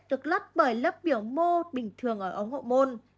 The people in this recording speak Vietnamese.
được lất bởi lớp biểu mô bình thường ở ống hậu môn